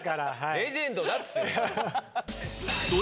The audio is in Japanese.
レジェンドだっつってんの！